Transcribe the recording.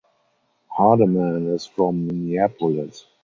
Hardeman is from Minneapolis.